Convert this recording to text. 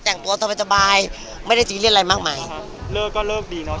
แต่งตัวสบายสบายไม่ได้ซีเรียสอะไรมากมายครับเลิกก็เลิกดีเนาะ